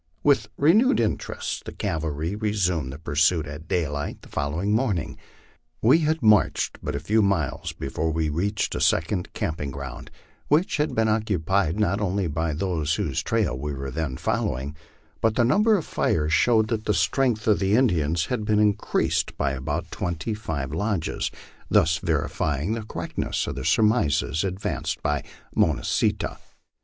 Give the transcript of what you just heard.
With renewed interest the cavalry resumed the pursuit at daylight the following morning. We had marched but a few miles before we reached a second camping ground, which had been occupied not only by those whose trail we were then following, but the number of fires showed that the strength of the Indians had been increased by about twenty five lodges, thus verifying the correctness of the surmises advanced by Mo nah see tah.